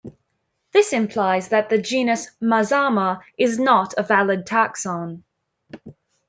This implies that the genus "Mazama" is not a valid taxon.